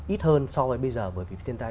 ít hơn so với bây giờ bởi vì thiên tai